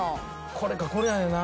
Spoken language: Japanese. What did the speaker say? これかこれだよな。